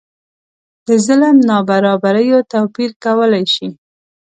د ظلم نابرابریو توپیر کولای شي.